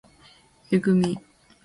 えぐみ